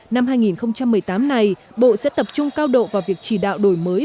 năm hai nghìn một mươi tám này bộ sẽ tập trung cao độ vào việc chỉ đạo đổi mới